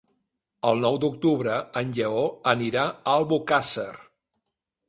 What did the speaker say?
El nou d'octubre en Lleó anirà a Albocàsser.